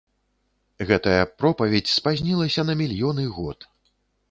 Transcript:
Гэтая пропаведзь спазнілася на мільёны год.